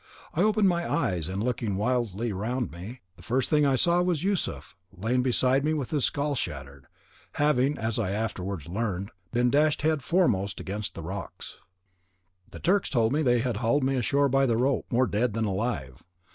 I opened my eyes, and looking wildly round me, the first thing I saw was Yusuf lying beside me with his skull shattered, having, as I afterwards learned, been dashed head foremost against the rocks. "The Turks told me that they had hawled me ashore by the rope, more dead than alive.